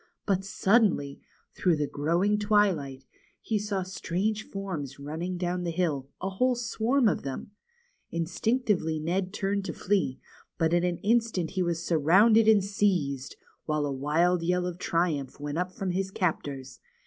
But suddenly, through clothes. He selected a BEHIND THE WARDROBE. 71 the growing twilight, he saw strange forms running down the hill, a whole swarm of them. Instinctively Ned turned to flee, but in an instant he was surrounded and seized, while a wild yell of triumph went up from his captors.